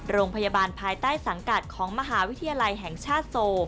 โรงพยาบาลภายใต้สังกัดของมหาวิทยาลัยแห่งชาติโซ